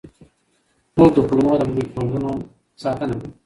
خوب د کولمو مایکروبیوم ساتنه کوي.